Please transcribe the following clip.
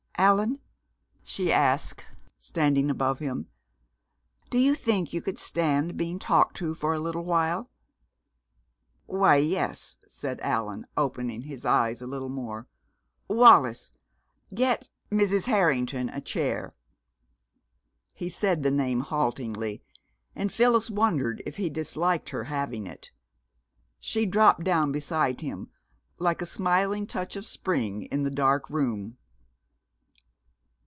"Allan," she asked, standing above him, "do you think you could stand being talked to for a little while?" "Why yes," said Allan, opening his eyes a little more. "Wallis, get Mrs. Harrington a chair." He said the name haltingly, and Phyllis wondered if he disliked her having it. She dropped down beside him, like a smiling touch of spring in the dark room.